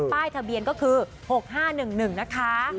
ป้ายทะเบียนก็คือ๖๕๑๑นะคะ